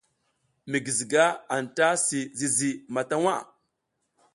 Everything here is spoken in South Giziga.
Mi guiziga anta si zizi mata waʼa.